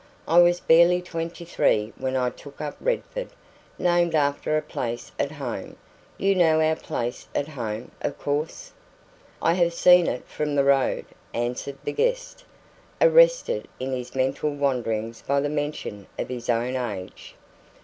I was barely twenty three when I took up Redford named after our place at home. You know our place at home, of course?" "I have seen it from the road," answered the guest, arrested in his mental wanderings by the mention of his own age.